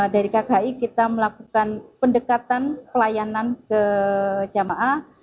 dari kki kita melakukan pendekatan pelayanan ke jemaah